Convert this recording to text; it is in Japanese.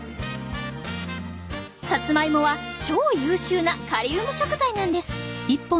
さつまいもは超優秀なカリウム食材なんです。